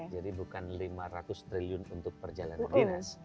jadi bukan lima ratus triliun untuk perjalanan dinas